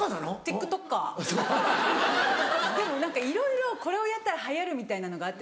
でもいろいろこれをやったら流行るみたいなのがあって。